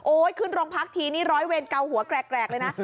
ขึ้นโรงพักทีนี้ร้อยเวรเกาหัวแกรกเลยนะ